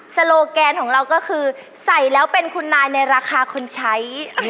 โลแกนของเราก็คือใส่แล้วเป็นคุณนายในราคาคนใช้